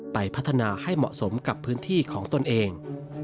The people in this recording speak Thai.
ไปพัฒนาให้เหมาะสมกับพื้นที่ของตนเอง